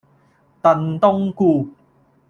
燉冬菇